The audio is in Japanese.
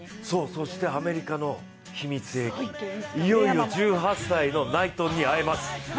そしてアメリカの秘密兵器、いよいよ１８歳のナイトンに会えます。